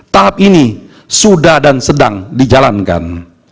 tahap ini sudah dan sedang dijalankan